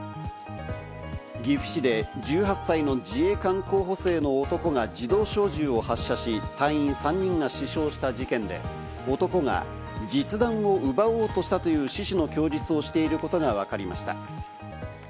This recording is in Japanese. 岐阜市で１８歳の自衛官候補生の男が自動小銃を発射し、隊員３人が死傷した事件で、男が実弾を奪おうとしたという趣旨の供述をしていることがわかりました。